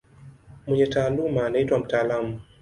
Mwenye taaluma anaitwa mtaalamu.